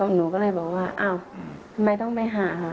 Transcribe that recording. หนูก็เลยบอกว่าอ้าวทำไมต้องไปหาค่ะ